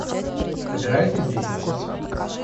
Собираетесь действовать?